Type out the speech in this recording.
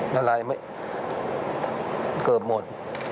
ละลายเกือบหมด